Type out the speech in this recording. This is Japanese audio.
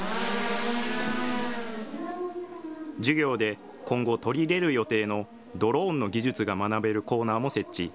授業で今後取り入れる予定の、ドローンの技術が学べるコーナーも設置。